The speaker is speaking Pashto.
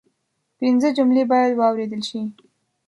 پنځه جملې باید واوریدل شي